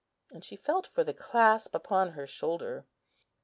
And she felt for the clasp upon her shoulder.